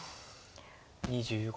２５秒。